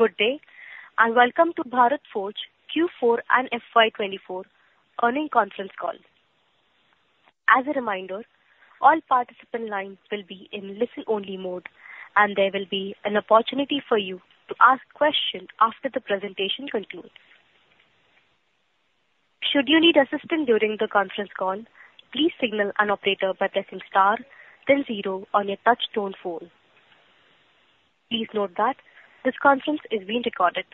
Good day, and welcome to Bharat Forge Q4 and FY24 Earnings Conference Call. As a reminder, all participant lines will be in listen-only mode, and there will be an opportunity for you to ask questions after the presentation concludes. Should you need assistance during the conference call, please signal an operator by pressing star then zero on your touchtone phone. Please note that this conference is being recorded.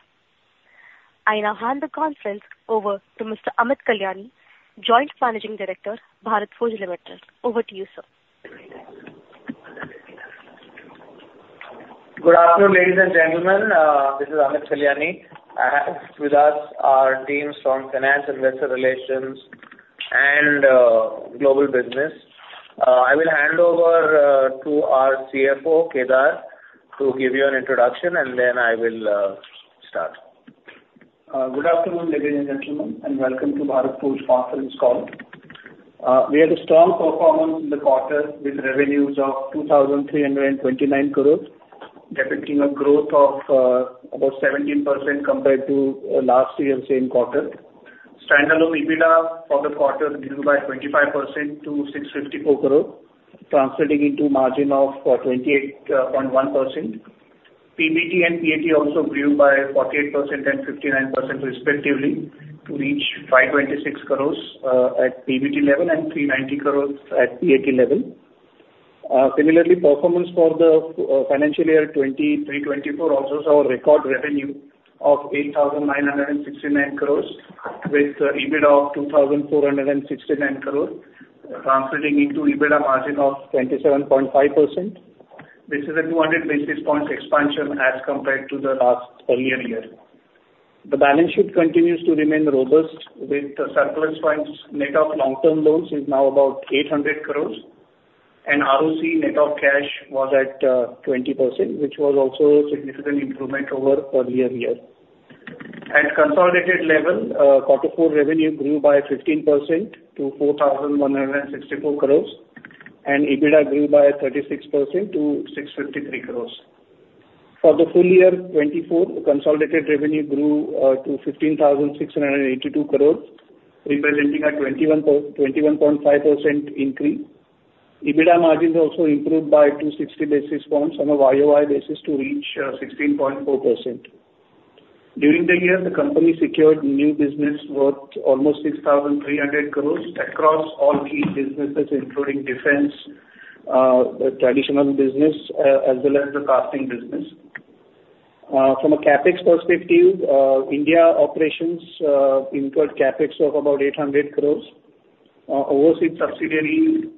I now hand the conference over to Mr. Amit Kalyani, Joint Managing Director, Bharat Forge Limited. Over to you, sir. Good afternoon, ladies and gentlemen, this is Amit Kalyani. I have with us our teams from finance, investor relations, and global business. I will hand over to our CFO, Kedar, to give you an introduction, and then I will start. Good afternoon, ladies and gentlemen, and welcome to Bharat Forge conference call. We had a strong performance in the quarter, with revenues of 2,329 crores, depicting a growth of about 17% compared to last year's same quarter. Standalone EBITDA for the quarter grew by 25% to 654 crore, translating into margin of 28.1%. PBT and PAT also grew by 48% and 59% respectively, to reach 526 crores at PBT-level and 390 crores at PAT-level. Similarly, performance for the financial year 2023-24 also saw a record revenue of 8,969 crores, with EBITDA of 2,469 crore, translating into EBITDA margin of 27.5%. This is a 200 basis points expansion as compared to the last earlier year. The balance sheet continues to remain robust with the surplus funds. Net of long-term loans is now about 800 crore, and ROC net of cash was at 20%, which was also a significant improvement over earlier year. At consolidated level, quarter four revenue grew by 15% to 4,164 crore, and EBITDA grew by 36% to 653 crore. For the full year 2024, the consolidated revenue grew to 15,682 crore, representing a 21-point, 21.5% increase. EBITDA margins also improved by 260 basis points on a YoY basis to reach 16.4%. During the year, the company secured new business worth almost 6,300 crore across all key businesses, including defense, traditional business, as well as the casting business. From a CapEx perspective, India operations incurred CapEx of about 800 crore. Overseas subsidiary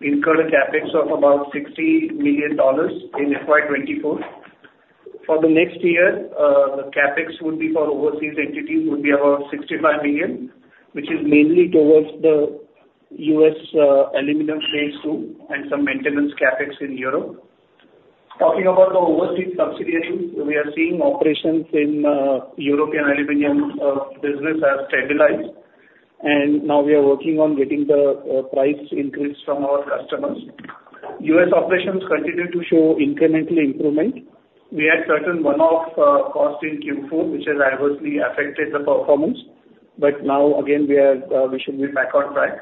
incurred a CapEx of about $60 million in FY 2024. For the next year, the CapEx would be for overseas entities would be about $65 million, which is mainly towards the U.S., aluminum phase II and some maintenance CapEx in Europe. Talking about the overseas subsidiary, we are seeing operations in European Aluminum business have stabilized, and now we are working on getting the price increase from our customers. U.S. operations continue to show incremental improvement. We had certain one-off costs in Q4, which has adversely affected the performance, but now again, we are, we should be back on track.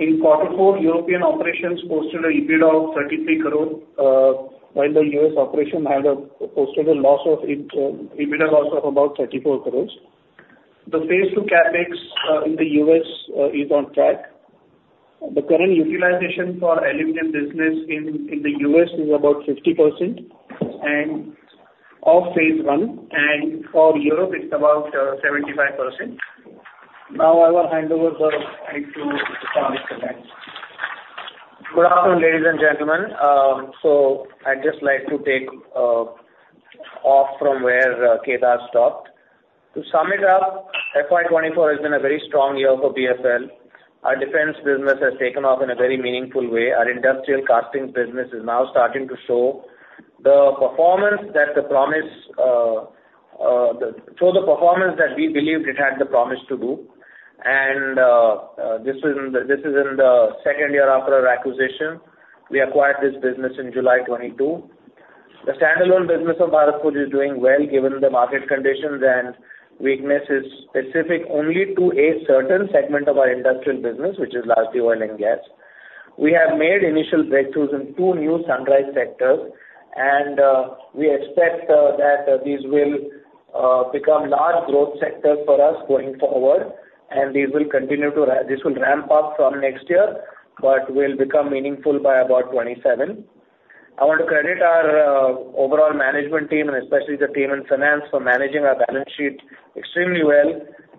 In quarter four, European operations posted an EBITDA of 33 crore, while the U.S. operation posted a loss of, EBITDA loss of about 34 crore. The phase II CapEx in the U.S. is on track. The current utilization for Aluminum business in the U.S. is about 50%, and for Europe, it's about 75%. Now I will hand over the to Amit Kalyani. Good afternoon, ladies and gentlemen. So I'd just like to take off from where Kedar stopped. To sum it up, FY 2024 has been a very strong year for BFL. Our Defense business has taken off in a very meaningful way. Our Industrial Casting business is now starting to show the performance that we believed it had the promise to do, and this is in the second year after our acquisition. We acquired this business in July 2022. The standalone business of Bharat Forge is doing well, given the market conditions and weakness is specific only to a certain segment of our Industrial business, which is largely oil and gas. We have made initial breakthroughs in two new sunrise sectors, and we expect that these will become large growth sectors for us going forward, and this will ramp up from next year, but will become meaningful by about 2027. I want to credit our overall management team, and especially the team in finance, for managing our balance sheet extremely well.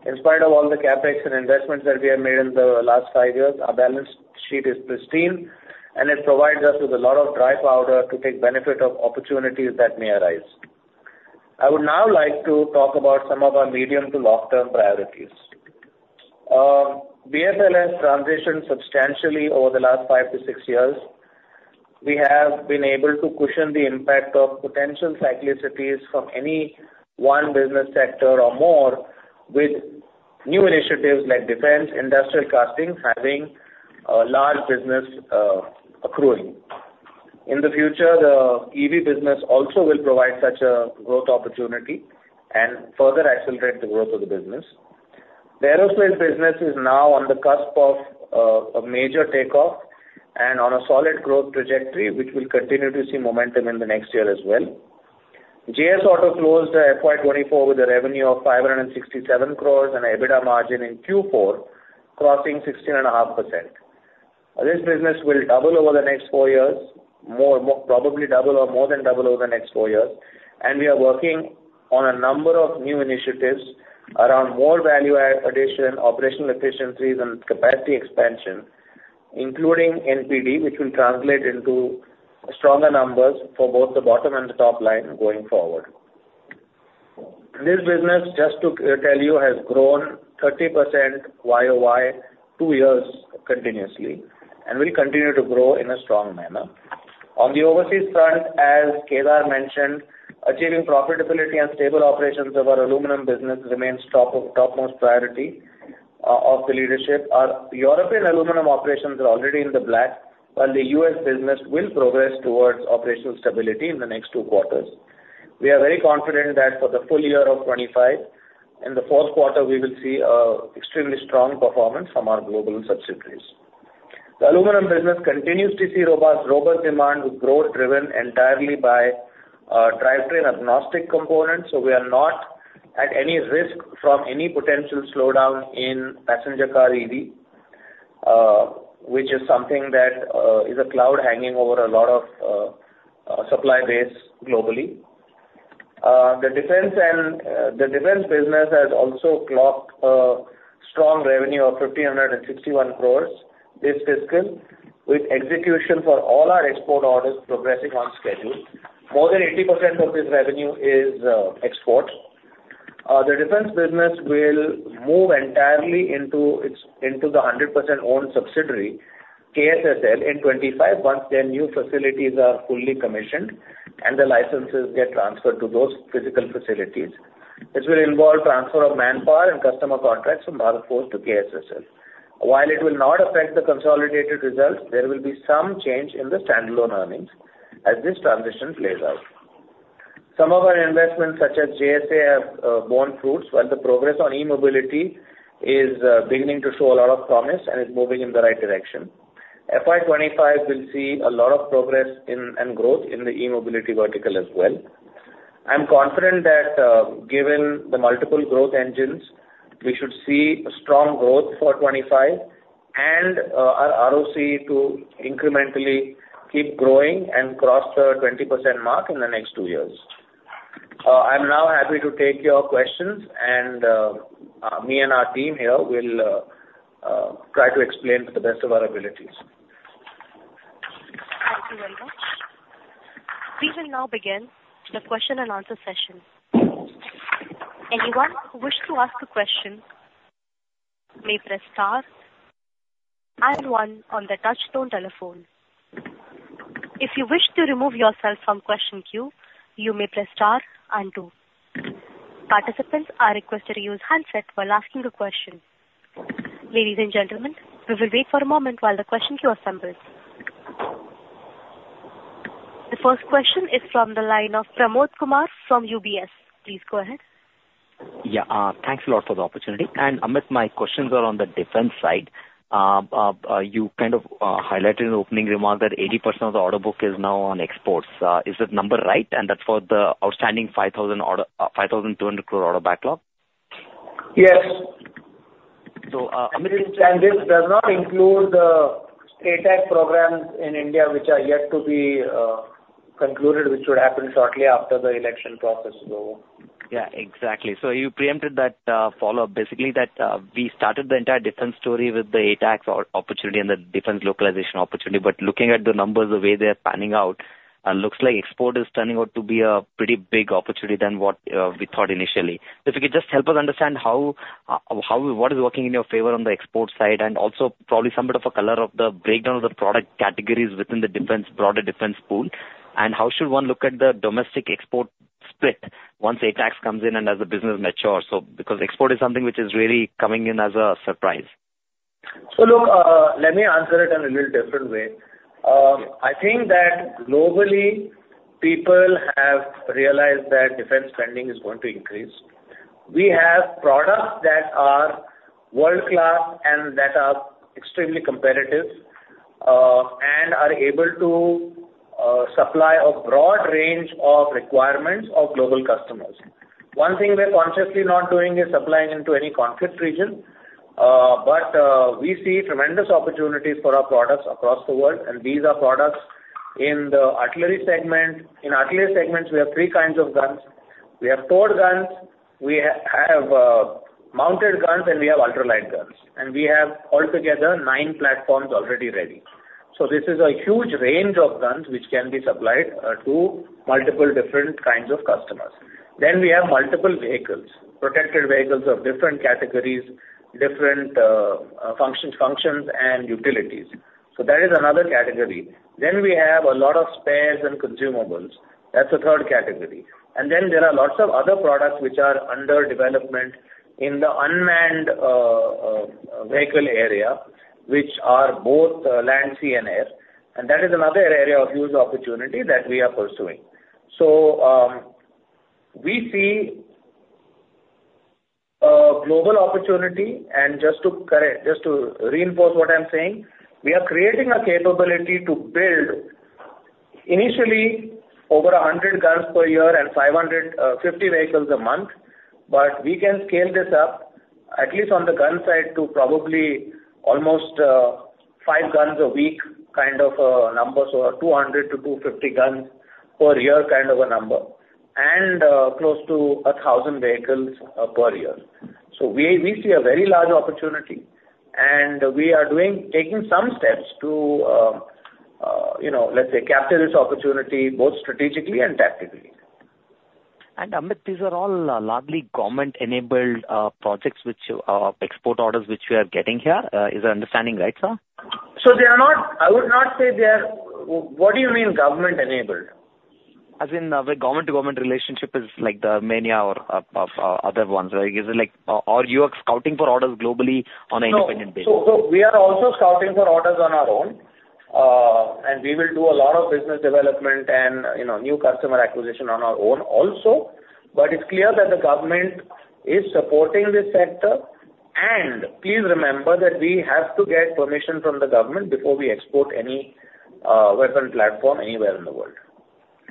In spite of all the CapEx and investments that we have made in the last five years, our balance sheet is pristine, and it provides us with a lot of dry powder to take benefit of opportunities that may arise. I would now like to talk about some of our medium to long-term priorities. BFL has transitioned substantially over the last five to six years. We have been able to cushion the impact of potential cyclicity from any one business sector or more with new initiatives like Defense, Industrial Casting, having a large business, accruing. In the future, the EV business also will provide such a growth opportunity and further accelerate the growth of the business. The Aerospace business is now on the cusp of a major takeoff and on a solid growth trajectory, which will continue to see momentum in the next year as well. JS Auto closed the FY 2024 with a revenue of 567 crore and EBITDA margin in Q4, crossing 16.5%. This business will double over the next four years, more, more, probably double or more than double over the next four years, and we are working on a number of new initiatives around more value add addition, operational efficiencies, and capacity expansion, including NPD, which will translate into stronger numbers for both the bottom and the top line going forward. This business, just to tell you, has grown 30% YoY two years continuously and will continue to grow in a strong manner. On the overseas front, as Kedar mentioned, achieving profitability and stable operations of our Aluminum business remains topmost priority of the leadership. Our European Aluminum operations are already in the black, while the U.S. business will progress towards operational stability in the next two quarters. We are very confident that for the full year of 2025, in the fourth quarter, we will see a extremely strong performance from our global subsidiaries. The Aluminum business continues to see robust, robust demand with growth driven entirely by drivetrain agnostic components. So we are not at any risk from any potential slowdown in passenger car EV, which is something that is a cloud hanging over a lot of supply base globally. The Defense and... the Defense business has also clocked a strong revenue of 1,561 crores this fiscal, with execution for all our export orders progressing on schedule. More than 80% of this revenue is export. The Defense business will move entirely into its, into the 100% owned subsidiary, KSSL, in 2025, once their new facilities are fully commissioned and the licenses get transferred to those physical facilities. This will involve transfer of manpower and customer contracts from Bharat Forge to KSSL. While it will not affect the consolidated results, there will be some change in the standalone earnings as this transition plays out. Some of our investments, such as JSA, have borne fruits, while the progress on e-mobility is beginning to show a lot of promise and is moving in the right direction. FY 2025 will see a lot of progress in and growth in the e-mobility vertical as well. I'm confident that, given the multiple growth engines, we should see strong growth for FY 2025 and, our ROC to incrementally keep growing and cross the 20%-mark in the next two years. I'm now happy to take your questions, and, me and our team here will, try to explain to the best of our abilities. Thank you very much. We will now begin the question-and-answer session. Anyone who wish to ask a question, may press star and one on the touchtone telephone. If you wish to remove yourself from question queue, you may press star and two. Participants are requested to use handset while asking a question. Ladies and gentlemen, we will wait for a moment while the question queue assembles. The first question is from the line of Pramod Kumar from UBS. Please go ahead. Yeah, thanks a lot for the opportunity. Amit, my questions are on the Defense-side. You kind of highlighted in opening remark that 80% of the order book is now on exports. Is that number right? And that's for the outstanding 5,200 crore order backlog? Yes. So, Amit- This does not include the ATAGS programs in India, which are yet to be concluded, which should happen shortly after the election process, so. Yeah, exactly. So you preempted that, follow-up. Basically, that, we started the entire defense story with the ATAGS opportunity and the defense localization opportunity. But looking at the numbers, the way they are panning out, looks like export is turning out to be a pretty big opportunity than what, we thought initially. If you could just help us understand how, how, what is working in your favor on the export side, and also probably some bit of a color of the breakdown of the product categories within the defense, broader defense pool, and how should one look at the domestic export split once ATAGS comes in and as the business matures? So because export is something which is really coming in as a surprise. So look, let me answer it in a little different way. I think that globally, people have realized that defense spending is going to increase. We have products that are world-class and that are extremely competitive, and are able to supply a broad range of requirements of global customers. One thing we're consciously not doing is supplying into any conflict region, but we see tremendous opportunities for our products across the world, and these are products in the Artillery segment. In Artillery segments, we have three kinds of guns. We have towed guns, we have mounted guns, and we have ultralight guns, and we have altogether nine platforms already ready. So this is a huge range of guns which can be supplied to multiple different kinds of customers. Then we have multiple vehicles, protected vehicles of different categories, different functions and utilities. So that is another category. Then we have a lot of spares and consumables, that's the third category. And then there are lots of other products which are under development in the unmanned vehicle area, which are both land, sea, and air, and that is another area of huge opportunity that we are pursuing. So, we see a global opportunity, and just to correct, just to reinforce what I'm saying, we are creating a capability to build initially over 100 guns per year and 550 vehicles a month. But we can scale this up, at least on the gun-side, to probably almost five guns a week, kind of numbers or 200-250 guns per year, kind of a number, and close to 1,000 vehicles per year. So we see a very large opportunity, and we are taking some steps to, you know, let's say, capture this opportunity, both strategically and tactically. Amit, these are all largely government-enabled, projects which, export orders which we are getting here. Is my understanding right, sir? So they are not. I would not say they are... What do you mean government-enabled? As in, the government-to-government relationship is like the many other ones, right? Is it like, or you are scouting for orders globally on an independent basis? No. So, so we are also scouting for orders on our own, and we will do a lot of business development and, you know, new customer acquisition on our own also. But it's clear that the government is supporting this sector. And please remember that we have to get permission from the government before we export any weapon platform anywhere in the world.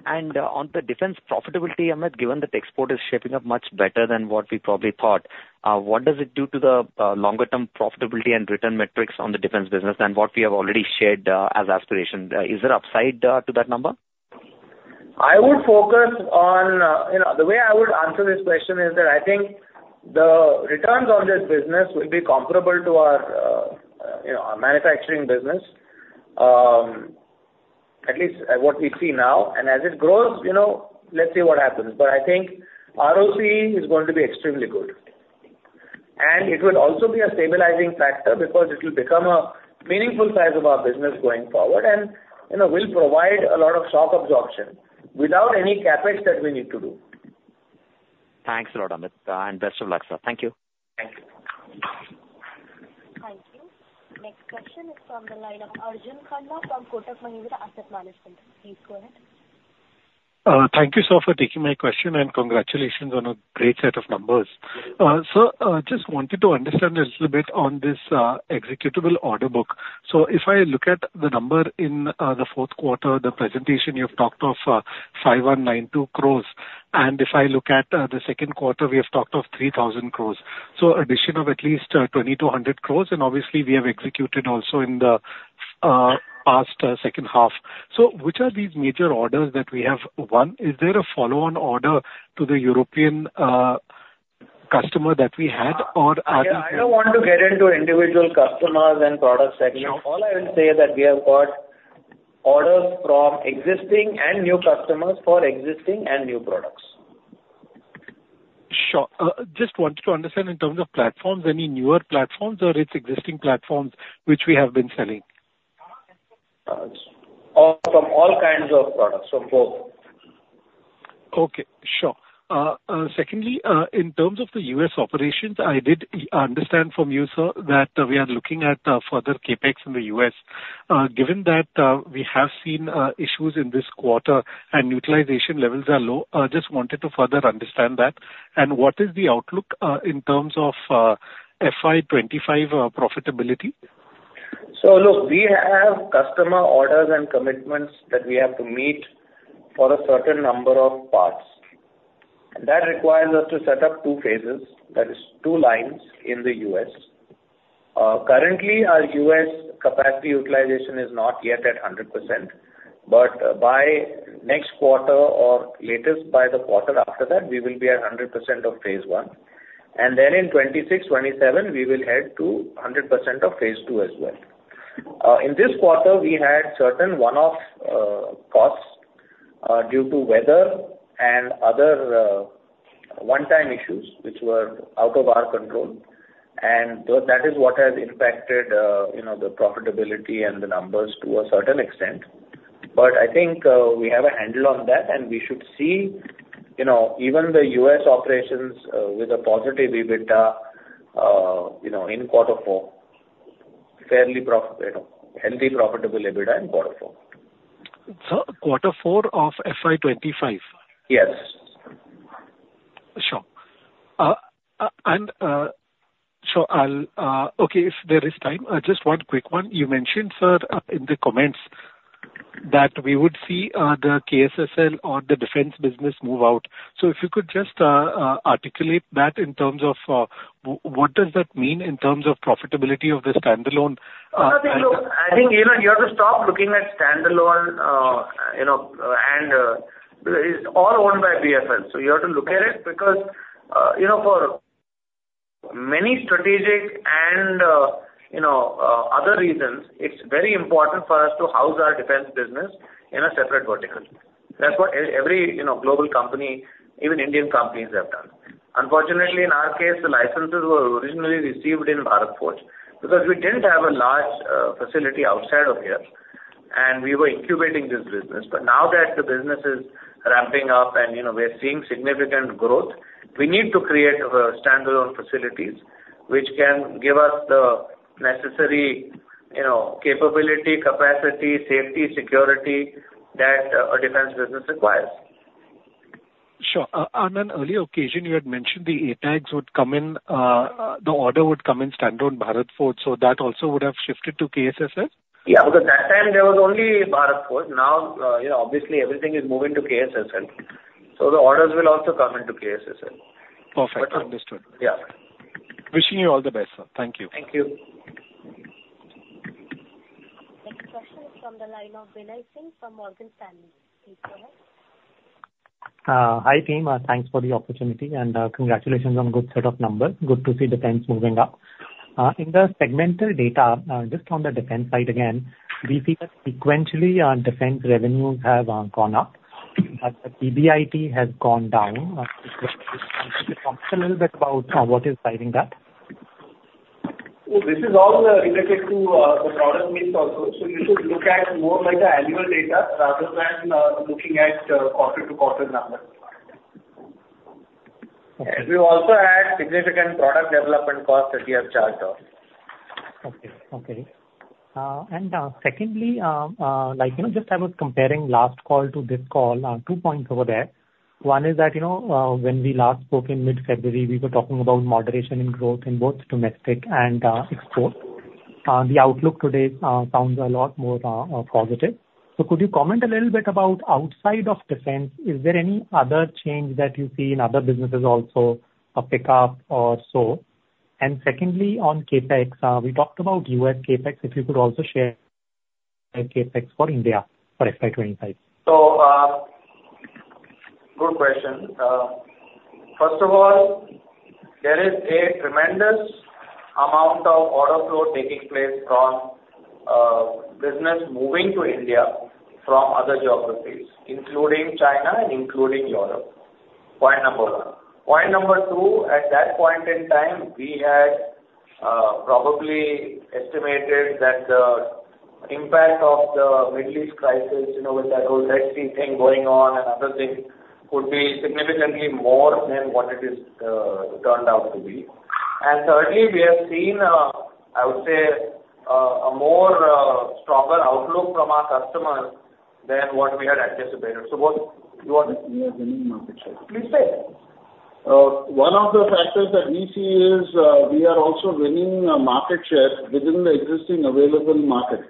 On the defense profitability, Amit, given that export is shaping up much better than what we probably thought, what does it do to the longer-term profitability and return metrics on the Defense business than what we have already shared as aspiration? Is there upside to that number? I would focus on. You know, the way I would answer this question is that I think the returns on this business will be comparable to our, you know, our manufacturing business, at least what we see now. And as it grows, you know, let's see what happens. But I think ROCE is going to be extremely good. And it will also be a stabilizing factor because it will become a meaningful size of our business going forward and, you know, will provide a lot of shock absorption without any CapEx that we need to do. Thanks a lot, Amit, and best of luck, sir. Thank you. Thank you. Thank you. Next question is from the line of Arjun Khanna from Kotak Mahindra Asset Management. Please go ahead. Thank you, sir, for taking my question, and congratulations on a great set of numbers. Sir, just wanted to understand a little bit on this, executable order book. So if I look at the number in, the fourth quarter, the presentation, you have talked of, 5,192 crores, and if I look at, the second quarter, we have talked of 3,000 crores. So addition of at least, 2,200 crores, and obviously we have executed also in the, past, second half. So which are these major orders that we have? One, is there a follow-on order to the European, customer that we had, or are there- I don't want to get into individual customers and product segments. Sure. All I will say is that we have got orders from existing and new customers for existing and new products. Sure. Just wanted to understand in terms of platforms, any newer platforms or it's existing platforms which we have been selling? From all kinds of products, so both. Okay, sure. Secondly, in terms of the U.S. operations, I did understand from you, sir, that we are looking at further CapEx in the U.S. Given that, we have seen issues in this quarter and utilization levels are low, I just wanted to further understand that. And what is the outlook in terms of FY 2025 profitability? So look, we have customer orders and commitments that we have to meet for a certain number of parts, and that requires us to set up two phases, that is two lines in the U.S. Currently, our U.S. capacity utilization is not yet at 100%, but by next quarter or latest, by the quarter after that, we will be at 100% of phase I. And then in 2026, 2027, we will head to 100% of phase II as well. In this quarter, we had certain one-off costs due to weather and other one-time issues which were out of our control, and that is what has impacted, you know, the profitability and the numbers to a certain extent. But I think, we have a handle on that, and we should see, you know, even the U.S. operations, with a positive EBITDA, you know, in quarter four, fairly profitable, you know, healthy, profitable EBITDA in quarter four. Sir, quarter four of FY 2025? Yes. Sure. Okay, if there is time, just one quick one. You mentioned, sir, in the comments that we would see the KSSL or the Defense business move out. So if you could just articulate that in terms of what does that mean in terms of profitability of the standalone? I think, you know, you have to stop looking at standalone, you know, and it's all owned by BFL. So you have to look at it because, you know, for many strategic and, you know, other reasons, it's very important for us to house our Defense business in a separate vertical. That's what every, you know, global company, even Indian companies, have done. Unfortunately, in our case, the licenses were originally received in Bharat Forge, because we didn't have a large facility outside of here, and we were incubating this business. But now that the business is ramping up and, you know, we are seeing significant growth, we need to create standalone facilities which can give us the necessary, you know, capability, capacity, safety, security that a Defense business requires. Sure. On an earlier occasion, you had mentioned the ATAGS would come in, the order would come in standalone Bharat Forge, so that also would have shifted to KSSL? Yeah, because that time there was only Bharat Forge. Now, you know, obviously everything is moving to KSSL, so the orders will also come into KSSL. Perfect. Understood. Yeah. Wishing you all the best, sir. Thank you. Thank you. Next question is from the line of Binay Singh from Morgan Stanley. Please go ahead. Hi, team. Thanks for the opportunity, and, congratulations on good set of numbers. Good to see defense moving up. In the segmental data, just on the Defense-side again, we see that sequentially, our Defense revenues have gone up, but the PBIT has gone down. A little bit about what is driving that? Well, this is all related to the product mix also. So you should look at more like a annual data rather than looking at quarter-to-quarter numbers. Okay. We also had significant product development costs that we have charged off. Okay. Okay, and secondly, like, you know, just I was comparing last call to this call, two points over there. One is that, you know, when we last spoke in mid-February, we were talking about moderation in growth in both domestic and export. The outlook today sounds a lot more positive. So could you comment a little bit about outside of Defense, is there any other change that you see in other businesses also, a pickup or so? And secondly, on CapEx, we talked about U.S. CapEx, if you could also share CapEx for India for FY 2025. So, good question. First of all, there is a tremendous amount of order flow taking place from, business moving to India from other geographies, including China and including Europe. Point number one. Point number two, at that point in time, we had, probably estimated that the impact of the Middle East crisis, you know, with that whole Red Sea thing going on and other things, could be significantly more than what it is, turned out to be. And thirdly, we have seen, I would say, a more, stronger outlook from our customers than what we had anticipated. So what you want? We are winning market share. Please say! One of the factors that we see is, we are also winning market share within the existing available market.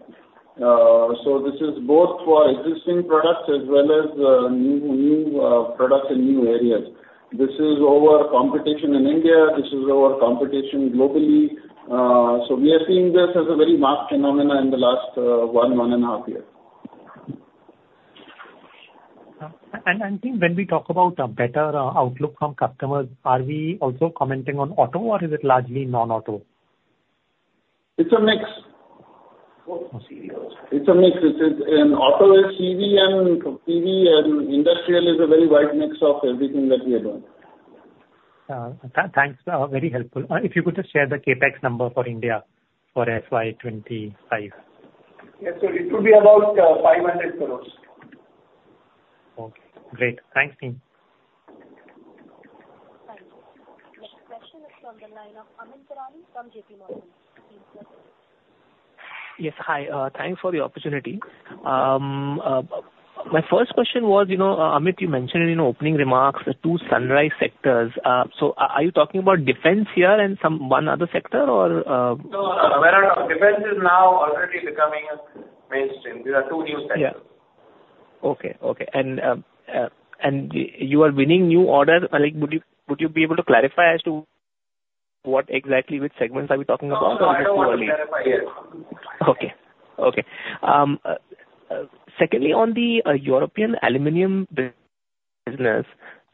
So this is both for existing products as well as new products in new areas. This is over competition in India. This is over competition globally. So we are seeing this as a very marked phenomenon in the last one and a half year. And team, when we talk about a better outlook from customers, are we also commenting on Auto, or is it largely Non-auto? It's a mix. It's a mix. It's in Auto, CV and PV and Industrial is a very wide mix of everything that we are doing. Thanks. Very helpful. If you could just share the CapEx number for India for FY 2025. Yes, so it would be about 500 crore. Okay, great. Thanks, team. Thank you. Next question is from the line of Amyn Pirani from JPMorgan. Yes, hi. Thanks for the opportunity. My first question was, you know, Amit, you mentioned in your opening remarks the two sunrise sectors. So are you talking about Defense here and some one other sector, or- No, no, no. Defense is now already becoming mainstream. These are two new sectors. Yeah. Okay. Okay. And you are winning new order. Like, would you be able to clarify as to what exactly, which segments are we talking about? No, I don't want to clarify yet. Okay. Okay. Secondly, on the European Aluminum business,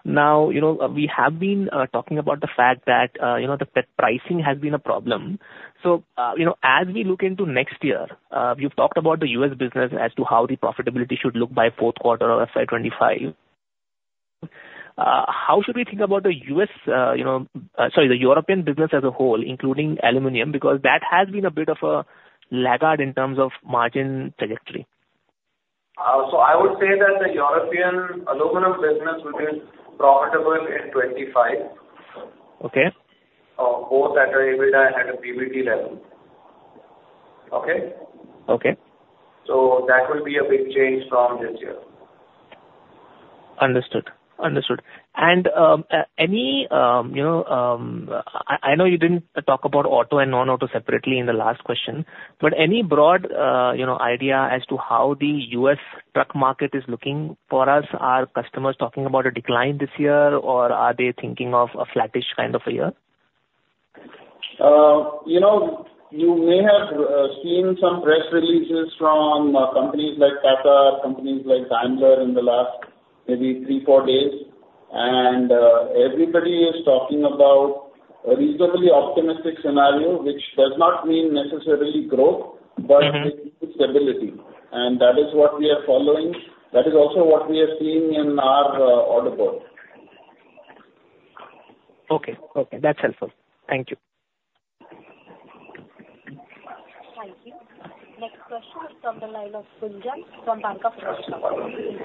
now, you know, we have been talking about the fact that, you know, the pricing has been a problem. So, you know, as we look into next year, you've talked about the U.S. business as to how the profitability should look by fourth quarter of FY 2025. How should we think about the U.S., you know... Sorry, the European business as a whole, including Aluminum, because that has been a bit of a laggard in terms of margin trajectory. I would say that the European Aluminum business will be profitable in 2025. Okay. Both at a EBITDA and a PBT-level. Okay? Okay. That will be a big change from this year. Understood. Understood. And, you know, I know you didn't talk about Auto and Non-auto separately in the last question, but any broad, you know, idea as to how the U.S. truck market is looking for us? Are customers talking about a decline this year, or are they thinking of a flattish kind of a year? You know, you may have seen some press releases from companies like Tata, companies like Daimler in the last maybe three-four days, and everybody is talking about a reasonably-optimistic scenario, which does not mean necessarily growth, but- Mm-hmm. Stability, and that is what we are following. That is also what we are seeing in our order book. Okay. Okay, that's helpful. Thank you. Thank you. Next question is from the line of Gunjan from Bank of America.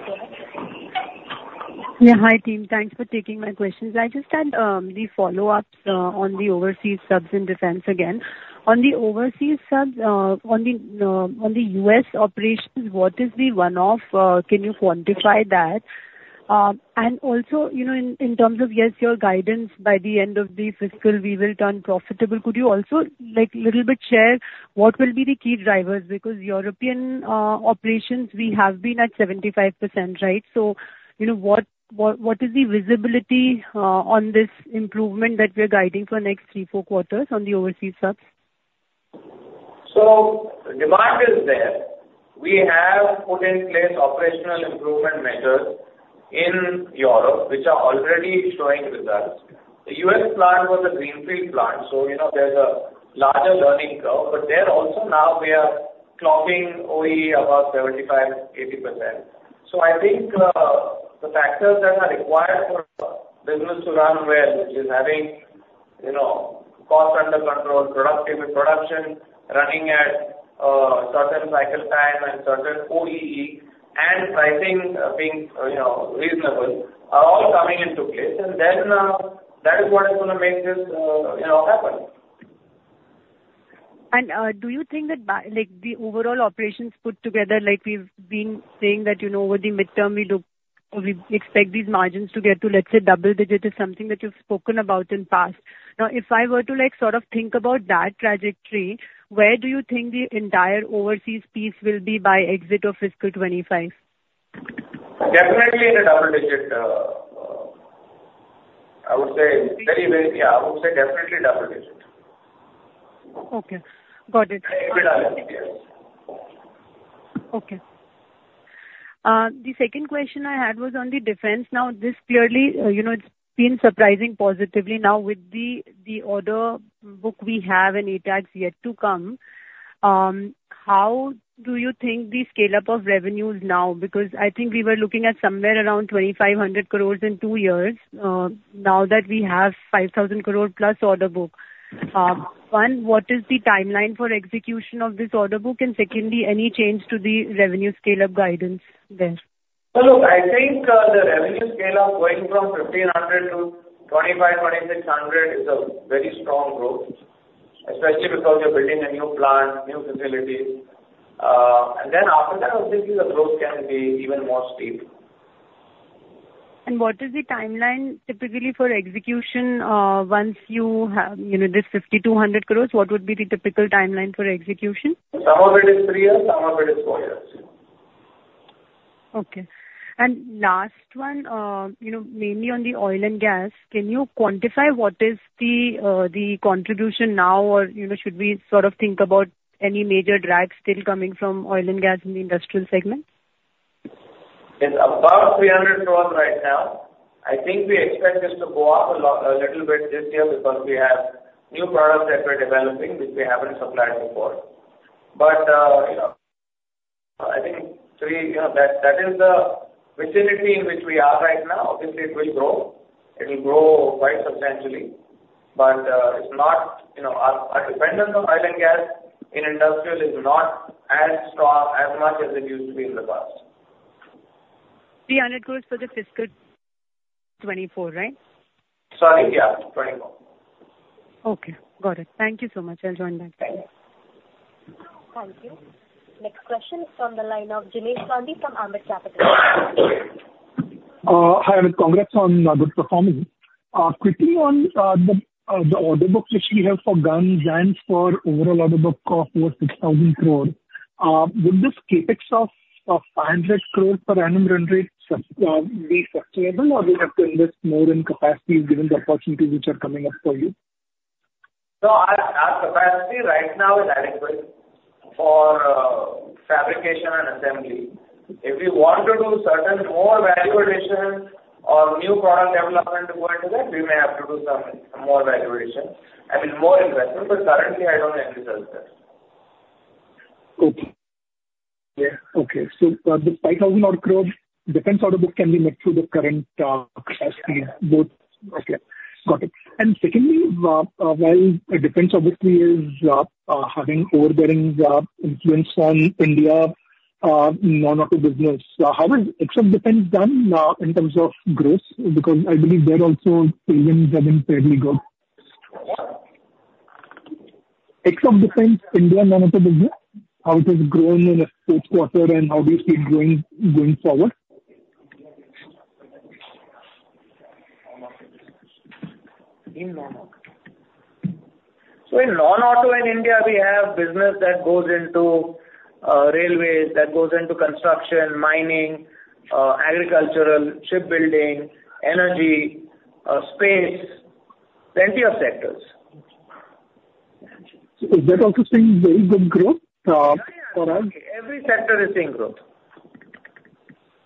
Yeah, hi, team. Thanks for taking my questions. I just had the follow-up on the Overseas Subs and Defense again. On the Overseas Subs, on the U.S. operations, what is the one-off? Can you quantify that? And also, you know, in terms of, yes, your guidance by the end of the fiscal, we will turn profitable, could you also, like, little bit share what will be the key drivers? Because European operations, we have been at 75%, right? So, you know, what is the visibility on this improvement that we are guiding for next three-four quarters on the Overseas Subs? So demand is there. We have put in place operational improvement measures in Europe, which are already showing results. The U.S. plant was a greenfield plant, so, you know, there's a larger learning curve, but there also now we are clocking OEE about 75%-80%. So I think, the factors that are required for business to run well, which is having, you know, cost under control, productive production, running at, certain cycle time and certain OEE, and pricing, being, you know, reasonable, are all coming into place. And then, that is what is gonna make this, you know, happen. Do you think that by, like, the overall operations put together, like we've been saying that, you know, over the midterm we look or we expect these margins to get to, let's say, double-digit is something that you've spoken about in past. Now, if I were to, like, sort of think about that trajectory, where do you think the entire overseas piece will be by exit of fiscal 2025? Definitely in the double-digit, I would say very, very, yeah, I would say definitely double-digit. Okay, got it. Yes. Okay. The second question I had was on the Defense. Now, this clearly, you know, it's been surprising positively. Now, with the, the order book we have and ATAGS yet to come, how do you think the scale-up of revenues now? Because I think we were looking at somewhere around 2,500 crore in two years. Now that we have 5,000+ crore order book, one, what is the timeline for execution of this order book? And secondly, any change to the revenue scale-up guidance there? Well, look, I think, the revenue scale-up going from 1,500 to 2,500, 2,600 is a very strong growth, especially because you're building a new plant, new facilities. And then after that, obviously, the growth can be even more steep. What is the timeline typically for execution, once you have, you know, this 5,200 crore, what would be the typical timeline for execution? Some of it is three years, some of it is four years. Okay. Last one, you know, mainly oil and gas, can you quantify what is the contribution now, or, you know, should we sort of think about any major drag still coming from oil and gas in the Industrial segment? It's about 300 crore right now. I think we expect this to go up a lot, a little bit this year because we have new products that we're developing which we haven't supplied before. But, you know, I think, so, you know, that, that is the vicinity in which we are right now. Obviously, it will grow. It'll grow quite substantially, but, it's not, you know... Our, our dependence on oil and gas in Industrial is not as strong, as much as it used to be in the past. INR 300 crore for the fiscal 2024, right? Sorry, yeah, 2024. Okay, got it. Thank you so much. I'll join back. Thank you. Next question is from the line of Jinesh Gandhi from Ambit Capital. Hi, Amit. Congrats on good performance. Quickly on the order book which we have for guns and for overall order book of over 6,000 crore, would this CapEx of 500 crore per annum run rate so be sustainable, or do you have to invest more in capacity given the opportunities which are coming up for you? So our capacity right now is adequate for fabrication and assembly. If we want to do certain more value additions or new product development go into that, we may have to do some more value additions, I mean, more investment, but currently I don't anticipate that. Okay. Yeah, okay. So, the 5,000-odd crore defense order book can be made through the current capacity, both... Okay, got it. And secondly, while the Defense obviously is having overbearing influence on India Non-auto business, how is ex of Defense done in terms of growth? Because I believe there also things have been fairly good. Ex of Defense, India Non-auto business, how it has grown in a fourth quarter and how do you see it growing, going forward? So in Non-auto in India, we have business that goes into railways, that goes into construction, mining, agricultural, shipbuilding, energy, space, plenty of sectors. So is that also seeing very good growth, for us? Yeah, yeah, every sector is seeing growth.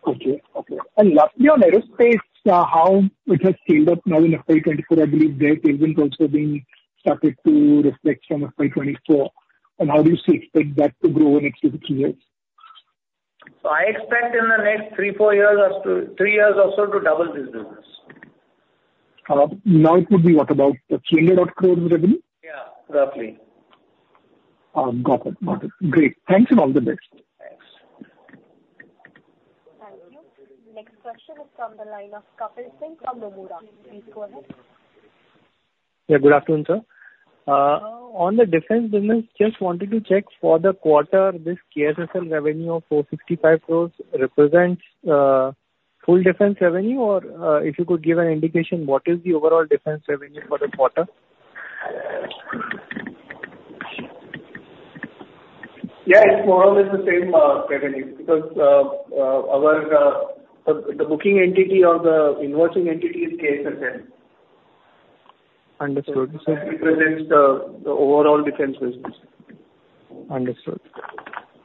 Okay, okay. And lastly, on Aerospace, how it has scaled up now in FY 2024, I believe their payment also being started to reflect from FY 2024. And how do you see expect that to grow in next two, three years? I expect in the next three-four years or two-three years or so, to double this business. Now it would be what about 300-crore revenue? Yeah, roughly. Got it. Got it. Great. Thanks, and all the best. Thank you. Next question is from the line of Kapil Singh from Nomura. Please go ahead. Yeah, good afternoon, sir. On the Defense business, just wanted to check for the quarter, this KSSL revenue of 455 crore represents full Defense revenue, or if you could give an indication, what is the overall Defense revenue for the quarter? Yeah, it's more or less the same revenue, because our booking entity or the invoicing entity is KSSL. Understood. It represents the overall Defense business. Understood.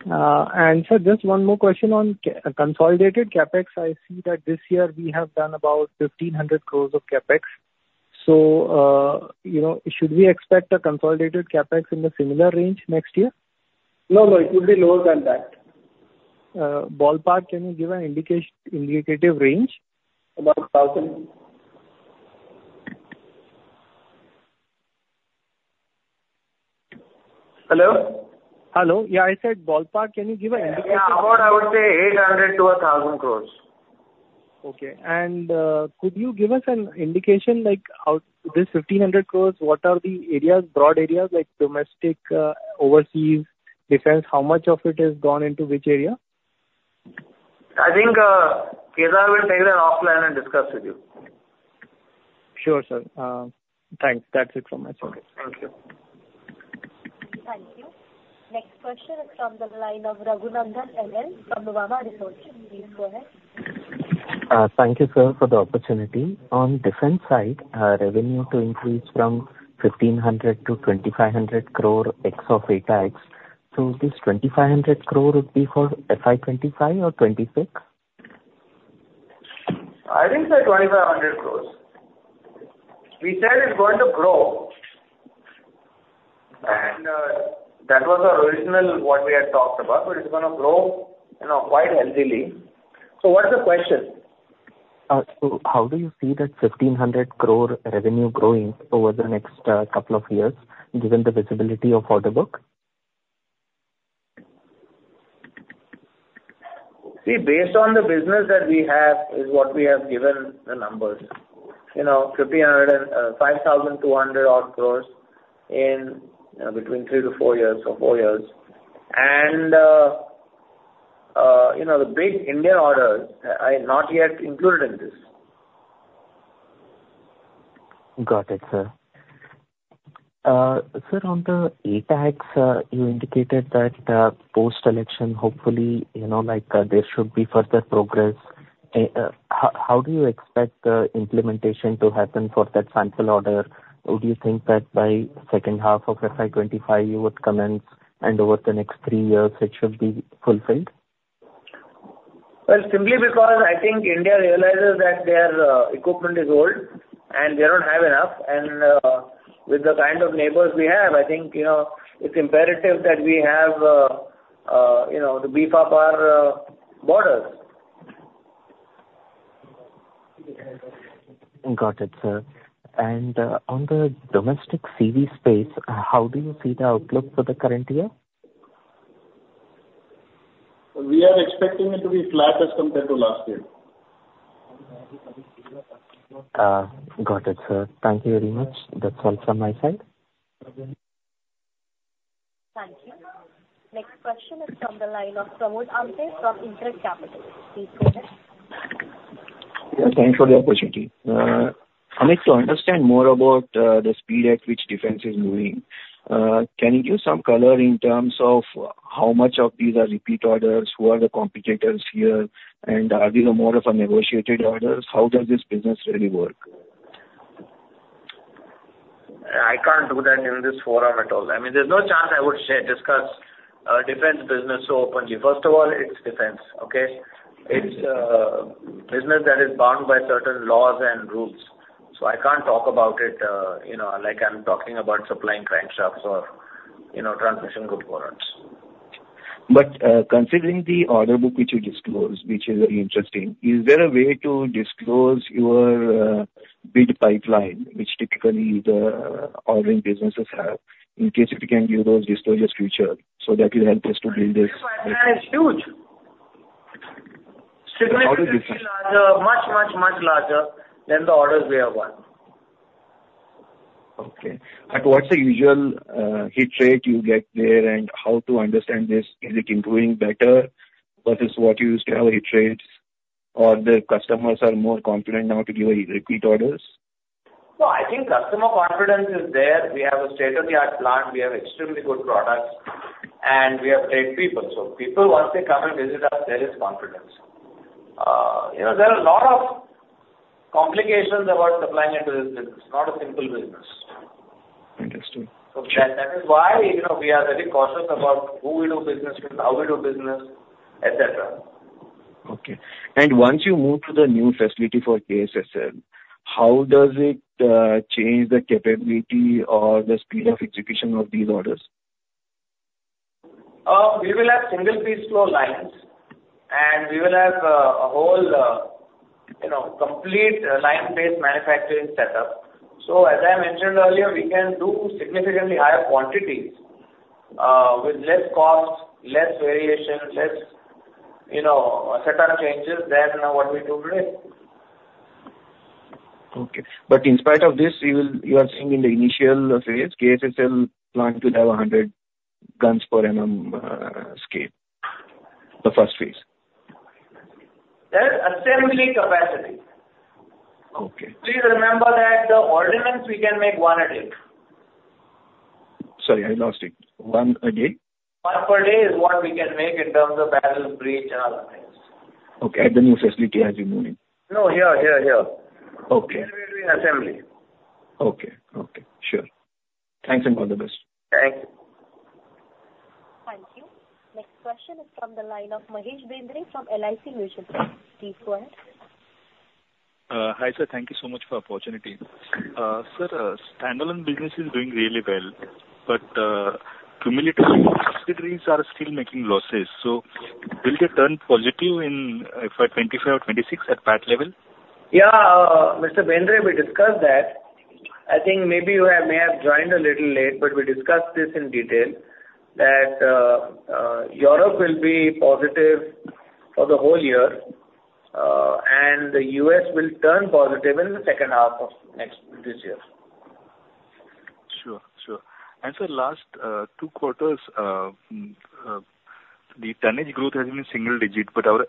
And sir, just one more question on consolidated CapEx. I see that this year we have done about 1,500 crore of CapEx. So, you know, should we expect a consolidated CapEx in the similar range next year? No, no, it will be lower than that. Ballpark, can you give an indicative range? About 1,000. Hello? Hello. Yeah, I said, ballpark, can you give an indication? Yeah, about I would say 800 crore-1,000 crore. Okay. And, could you give us an indication, like, how this 1,500 crore, what are the areas, broad areas like domestic, Overseas, Defense, how much of it has gone into which area? I think, Kedar will take that offline and discuss with you. Sure, sir. Thanks. That's it from my side. Okay. Thank you. Thank you. Next question is from the line of Raghunandan NL from Nuvama Research. Please go ahead. Thank you, sir, for the opportunity. On Defense-side, revenue to increase from 1,500 crore-2,500 crore ex of ATAGS. So this 2,500 crore would be for FY 2025 or 2026? I think so, 2,500 crores. We said it's going to grow. And, that was our original, what we had talked about, but it's gonna grow, you know, quite healthily. So what is the question? How do you see that 1,500 crore revenue growing over the next couple of years, given the visibility of order book? See, based on the business that we have, is what we have given the numbers. You know, 1,500 and 5,200 odd crores in between three-four or four years. And, you know, the big India orders are not yet included in this. Got it, sir. Sir, on the ATAGS, you indicated that, post-election, hopefully, you know, like, there should be further progress. How do you expect the implementation to happen for that sample order? Or do you think that by second half of FY 2025, you would commence, and over the next three years, it should be fulfilled? Well, simply because I think India realizes that their equipment is old, and they don't have enough. And, with the kind of neighbors we have, I think, you know, it's imperative that we have, you know, to beef-up our borders. Got it, sir. And, on the domestic CV space, how do you see the outlook for the current year? We are expecting it to be flat as compared to last year. Got it, sir. Thank you very much. That's all from my side. Thank you. Next question is from the line of Pramod Amthe from InCred Capital. Please go ahead. Yeah, thanks for the opportunity. I'd like to understand more about the speed at which defense is moving. Can you give some color in terms of how much of these are repeat orders? Who are the competitors here, and are these more of a negotiated orders? How does this business really work? I can't do that in this forum at all. I mean, there's no chance I would share, discuss, Defense business so openly. First of all, it's Defense, okay? It's business that is bound by certain laws and rules, so I can't talk about it, you know, like I'm talking about supplying crankshafts or, you know, transmission components. Considering the order book which you disclosed, which is very interesting, is there a way to disclose your bid pipeline, which typically the ordering businesses have, in case if you can give those disclosures future, so that will help us to build this? Our pipeline is huge. Significantly larger, much, much, much larger than the orders we have won. Okay. But what's the usual hit rate you get there, and how to understand this? Is it improving better versus what you used to have hit rates, or the customers are more confident now to give you repeat orders? No, I think customer confidence is there. We have a state-of-the-art plant. We have extremely good products, and we have great people. So people, once they come and visit us, there is confidence.... You know, there are a lot of complications about supplying into this business. Not a simple business. Interesting. So that is why, you know, we are very cautious about who we do business with, how we do business, etc. Okay. And once you move to the new facility for KSSL, how does it change the capability or the speed of execution of these orders? We will have single piece flow lines, and we will have a whole, you know, complete line-based manufacturing setup. So as I mentioned earlier, we can do significantly higher quantities with less costs, less variation, less, you know, set of changes than what we do today. Okay. But in spite of this, you will, you are saying in the initial phase, KSSL plant will have 100 guns per annum, scale, the first phase? That's assembly capacity. Okay. Please remember that the ordnance, we can make one a day. Sorry, I lost it. One a day? One per day is what we can make in terms of barrel, breech and other things. Okay, at the new facility as you move in? No, here, here, here. Okay. We will be doing assembly. Okay. Okay. Sure. Thanks, and all the best. Thanks. Thank you. Next question is from the line of Mahesh Bendre, from LIC Mutual Fund. Please go ahead. Hi, sir. Thank you so much for the opportunity. Sir, standalone business is doing really well, but cumulative subsidiaries are still making losses, so will they turn positive in for FY 2025 or FY 2026 at PAT-level? Yeah. Mr. Bendre, we discussed that. I think maybe you have, may have joined a little late, but we discussed this in detail, that Europe will be positive for the whole year, and the U.S. will turn positive in the second half of next, this year. Sure, sure. And sir, last two quarters, the tonnage growth has been single-digit, but our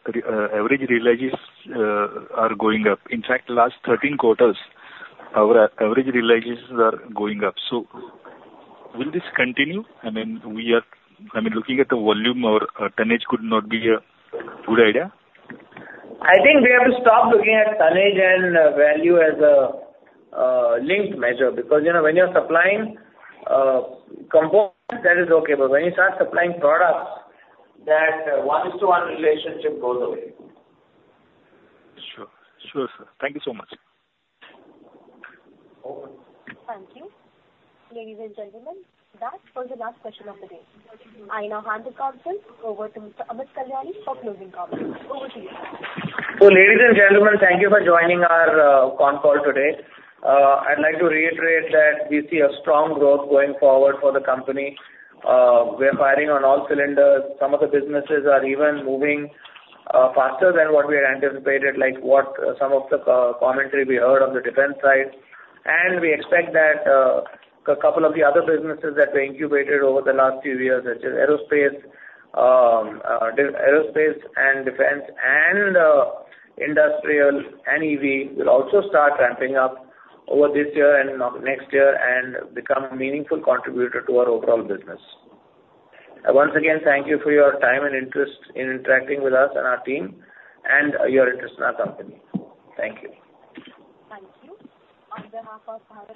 average realizes are going up. In fact, last 13 quarters, our average realizes are going up. So will this continue? I mean, we are, I mean, looking at the volume or tonnage could not be a good idea? I think we have to stop looking at tonnage and value as a linked measure, because, you know, when you're supplying components, that is okay. But when you start supplying products, that one-to-one relationship goes away. Sure. Sure, sir. Thank you so much. Okay. Thank you. Ladies and gentlemen, that was the last question of the day. I now hand the call over to Mr. Amit Kalyani for closing comments. Over to you. So, ladies and gentlemen, thank you for joining our con call today. I'd like to reiterate that we see a strong growth going forward for the company. We're firing on all cylinders. Some of the businesses are even moving faster than what we had anticipated, like what some of the co-commentary we heard on the Defense-side. We expect that a couple of the other businesses that were incubated over the last few years, such as Aerospace, Aerospace and Defense, and Industrial and EV, will also start ramping up over this year and next year, and become a meaningful contributor to our overall business. Once again, thank you for your time and interest in interacting with us and our team, and your interest in our company. Thank you. Thank you. On behalf of Bharat-